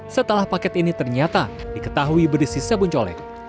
setelah paket ini ternyata diketahui berisi sepuncolek